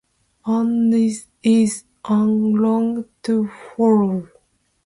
Annobonese is analogous to Forro.